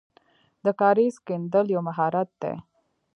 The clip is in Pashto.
د کاریز کیندل یو مهارت دی.